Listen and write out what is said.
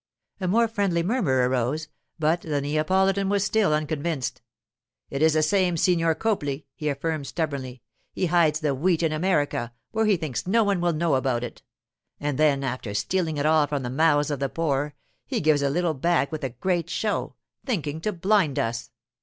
A more friendly murmur arose, but the Neapolitan was still unconvinced. 'It is the same Signor Copli,' he affirmed stubbornly. 'He hides the wheat in America, where he thinks no one will know about it. And then, after stealing it all from the mouths of the poor, he gives a little back with a great show, thinking to blind us.